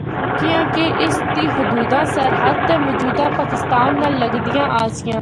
کیانکہ اس دی حدوداں سرحد تے موجودہ پاکستان نال لگدیا آسیاں۔